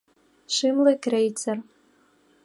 Шымле крейцер.